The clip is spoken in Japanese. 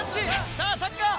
さぁサッカー